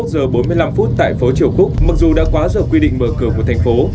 hai mươi một giờ bốn mươi năm phút tại phố triều quốc mặc dù đã quá giờ quy định mở cửa một thành phố